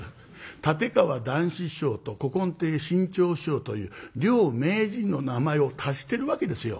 立川談志師匠と古今亭志ん朝師匠という両名人の名前を足してるわけですよ。